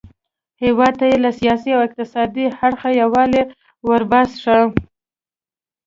هیواد ته یې له سیاسي او اقتصادي اړخه یووالی وروباښه.